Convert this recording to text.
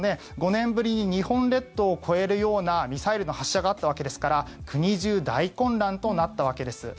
５年ぶりに日本列島を越えるようなミサイルの発射があったわけですから国中、大混乱となったわけです。